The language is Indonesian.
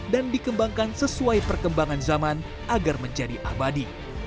dan dikembangkan sesuai perkembangan zaman agar menjadi abadi